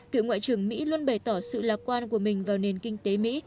cựu ngoại trưởng mỹ luôn bày tỏ sự lạc quan của mình vào nền kinh tế mỹ